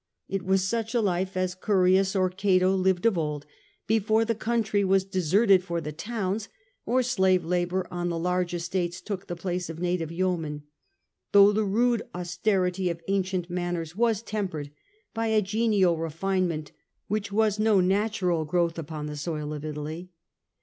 It was such a life as Curius or Cato lived of old, before the country was deserted for the towns, or slave labour on the large estates took the place of native yeomen, though the rude austerity of ancient manners was tempered by a genial refinement which was no natural growth upon the soil of Italy.